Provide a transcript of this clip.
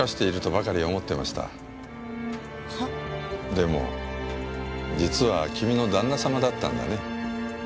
でも実は君の旦那様だったんだね。